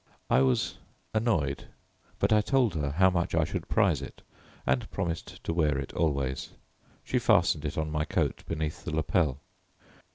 I was annoyed, but I told her how much I should prize it, and promised to wear it always. She fastened it on my coat beneath the lapel.